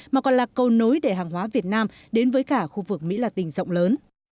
mà còn là câu nối để hàng hóa việt nam đến với cả khu vực mỹ là tình rộng lớn